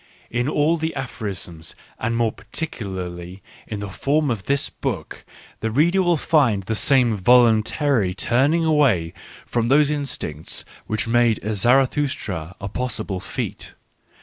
In all the aphorisms and more particularly in the form of this book, the reader will find the same voluntary turning away from those instincts which made a Zarathustra a possible feat.